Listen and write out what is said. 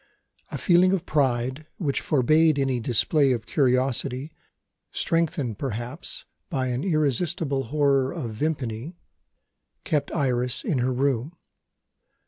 A feeling of pride which forbade any display of curiosity, strengthened perhaps by an irresistible horror of Vimpany, kept Iris in her room.